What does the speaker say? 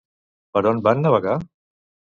Per on van navegar?